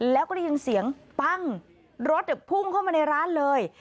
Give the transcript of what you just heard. แล้วก็ได้ยินเสียงปั้งรถพุ่งเข้ามาในร้านเลย